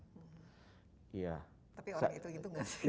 tapi orang itu gitu gak sih